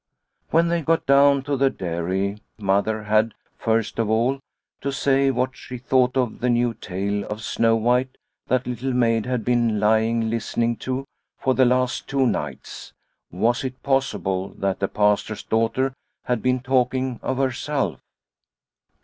When they got down to the dairy Mother had, first of all, to say what she thought of the new tale of Snow White that Little Maid had been lying listening to for the last two nights. Was it possible that the Pastor's daughter had been talking of herself